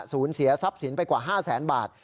เสียทรัพย์สินไปกว่า๕แสนบาท